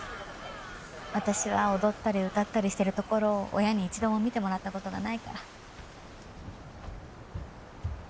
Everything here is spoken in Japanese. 私は踊ったり歌ったりしてるところを親に一度も見てもらったことがないから。